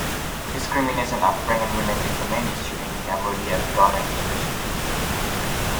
Discrimination of pregnant women is the main issue in Cambodia's garment industry.